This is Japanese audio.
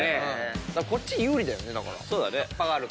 こっち有利だよね。